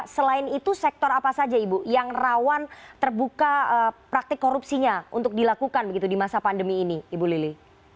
selain itu sektor apa saja ibu yang rawan terbuka praktik korupsinya untuk dilakukan begitu di masa pandemi ini ibu lili